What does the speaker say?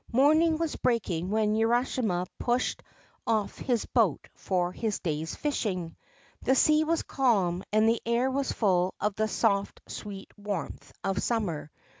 Morning was breaking when Urashima pushed off his boat for his day's fishing. The sea was calm, and the air was full of the soft, sweet warmth of summer.